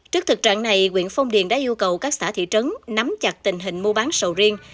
trước thực trạng này huyện phong điền đã yêu cầu các xã thị trấn nắm chặt tình hình mua bán sầu riêng